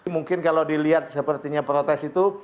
mungkin kalau dilihat sepertinya protes itu